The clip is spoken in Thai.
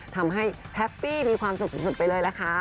ทำให้แฮปปี้มีความสุขสุดไปเลยล่ะค่ะ